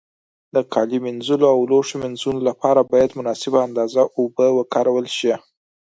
د کالي مینځلو او لوښو مینځلو له پاره باید مناسبه اندازه اوبو وکارول شي.